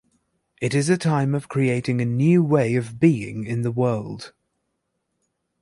It is a time of creating a new way of being in the world.